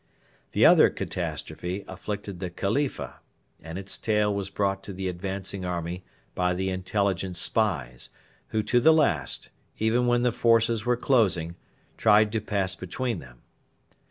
The other catastrophe afflicted the Khalifa, and its tale was brought to the advancing army by the Intelligence spies, who to the last even when the forces were closing tried to pass between them.